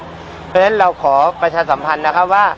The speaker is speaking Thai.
เพราะฉะนั้นเราขอประชาสัมพันธ์นะครับว่า